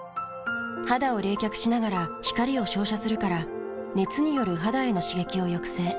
肌を冷却しながら光を照射するから熱による肌への刺激を抑制。